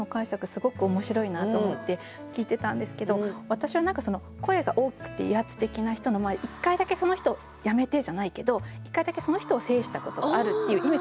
すごく面白いなと思って聞いてたんですけど私は何かその声が大きくて威圧的な人の前で一回だけその人「やめて」じゃないけど一回だけその人を制したことあるっていう意味かなと思って。